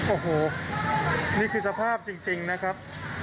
โอ้โหนี่คือสภาพจริงนะครับ